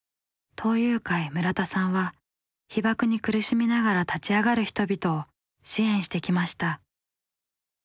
東友会村田さんは被爆に苦しみながら立ち上がる人々を支援してきました。